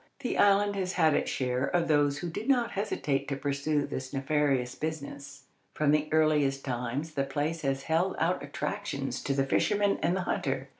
The island has had its share of those who did not hesitate to pursue this nefarious business. From the earliest times the place has held out attractions to the fisherman and the hunter.